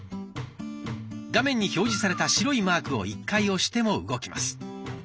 画面に表示された白いマークを１回押しても動きます。